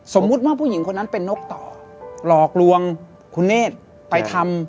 สมมุติว่าผู้หญิงคนนั้นเป็นนกต่อหลอกลวงคุณเนธไปทำ